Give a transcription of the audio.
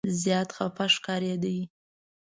زیات خفه ښکارېد.